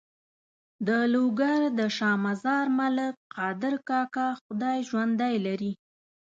د لوګر د شا مزار ملک قادر کاکا خدای ژوندی لري.